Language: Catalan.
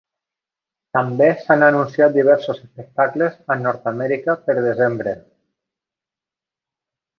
També s'han anunciat diversos espectacles a Nord-amèrica per desembre.